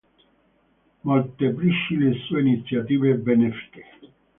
Molteplici le sue iniziative benefiche.